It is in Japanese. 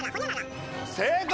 正解！